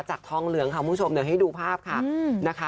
จากทองเหลืองค่ะคุณผู้ชมเนี่ยให้ดูภาพค่ะ